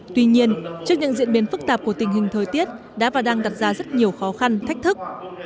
tuy nhiên trước những diễn biến phức tạp của tình hình thời tiết đã và đang đặt ra rất nhiều khó khăn thách thức